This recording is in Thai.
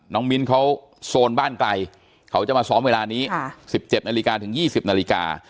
มิ้นเขาโซนบ้านไกลเขาจะมาซ้อมเวลานี้๑๗นาฬิกาถึง๒๐นาฬิกา